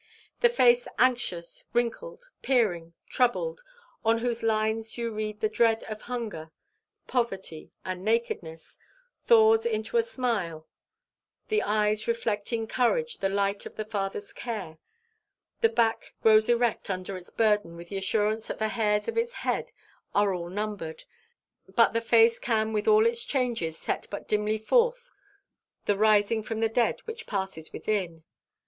The face anxious, wrinkled, peering, troubled, on whose lines you read the dread of hunger, poverty, and nakedness, thaws into a smile; the eyes reflect in courage the light of the Father's care, the back grows erect under its burden with the assurance that the hairs of its head are all numbered. But the face can with all its changes set but dimly forth the rising from the dead which passes within.